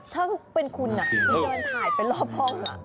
ถ้าเป็นคุณน่ะคุณเดินถ่ายไปรอบห้องน่ะ